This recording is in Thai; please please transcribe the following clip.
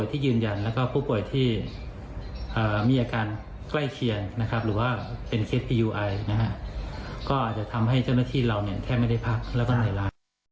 เธอก็เลยเป็นลมนะคะ